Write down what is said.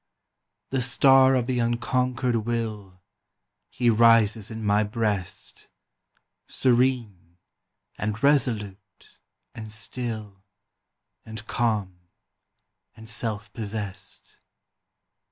The star of the unconquered will, He rises in my breast, Serene, and resolute, and still, And calm, and self possessed.